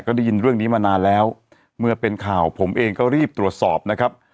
ก็ได้ยินเรื่องนี้มานานแล้วเมื่อเป็นข่าวผมเองก็รีบตรวจสอบนะครับ